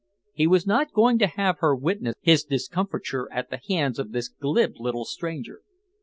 He was not going to have her witness his discomfiture at the hands of this glib little stranger.